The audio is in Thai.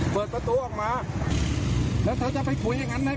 เปิดประตูออกมาแล้วเธอจะไปคุยอย่างนั้นนะ